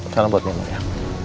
salam buat nino ya